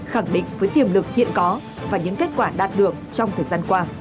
khẳng định với tiềm lực hiện có và những kết quả đạt được trong thời gian qua